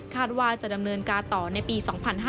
ว่าจะดำเนินการต่อในปี๒๕๕๙